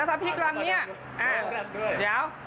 แล้วถ้าพี่กลำเนี่ยเดี๋ยว